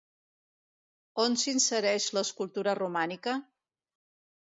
On s'insereix l'escultura romànica?